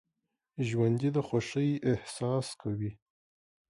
ژوندي د خوښۍ احساس کوي